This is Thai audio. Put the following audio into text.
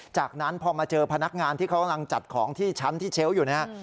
จากนั้นพอมาเจอพนักงานที่เขากำลังจัดของที่ชั้นที่เชลล์อยู่นะครับ